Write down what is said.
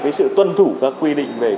cái sự tuân thủ các quy định về